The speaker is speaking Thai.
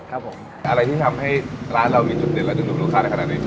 ครับผมอะไรที่ทำให้ร้านเรามีจุดเด่นและดึงดูดลูกค้าได้ขนาดนี้